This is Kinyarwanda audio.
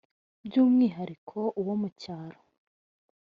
by’umwihariko uwo mu cyaro